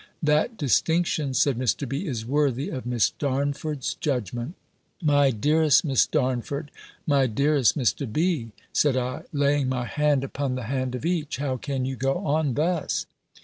"That distinction," said Mr. B., "is worthy of Miss Darnford's judgment." "My dearest Miss Darnford my dearest Mr. B.," said I, laying my hand upon the hand of each, "how can you go on thus!